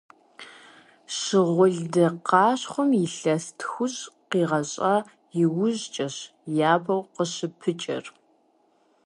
Шыгъулды къащхъуэм илъэс тхущӀ къигъэщӀа иужькӀэщ япэу къыщыпыкӀэр.